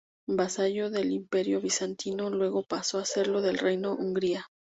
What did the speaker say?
Vasallo del Imperio Bizantino, luego pasó a serlo del Reino de Hungría.